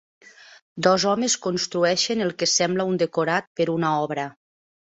Dos homes construeixen el que sembla un decorat per una obra.